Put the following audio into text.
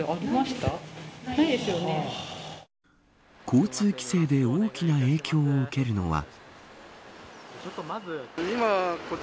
交通規制で大きな影響を受けるのは。